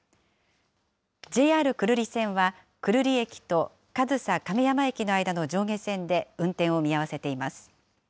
ＪＲ久留里線は、久留里駅と上総亀山駅の間の上下線で運転を見合わせています。